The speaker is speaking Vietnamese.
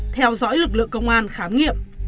theo dõi lực lượng công an khám nghiệm